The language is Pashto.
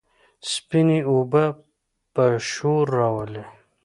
سپينې اوبه به شور راولي،